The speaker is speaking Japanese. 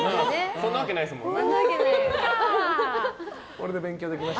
そんなわけないですもんね。